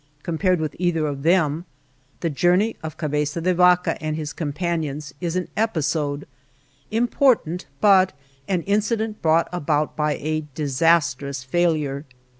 Compared with either of them, the journey of Cabeza de Vaca and his companions is an episode, important, but an incident brought about by a disastrous failure.